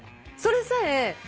それさえ。